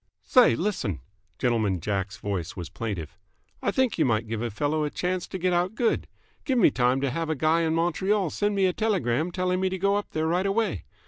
"Say, listen." Gentleman Jack's voice was plaintive. "I think you might give a fellow a chance to get out good. Give me time to have a guy in Montreal send me a telegram telling me to go up there right away.